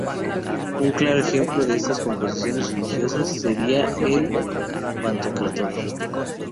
Un claro ejemplo de estas composiciones religiosas seria el Pantocrátor.